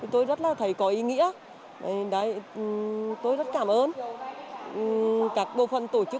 tôi rất là thấy có ý nghĩa tôi rất cảm ơn các bộ phận tổ chức